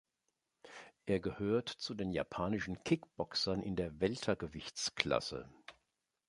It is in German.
Er gehört zu den japanischen Kickboxern in der Weltergewichtsklasse.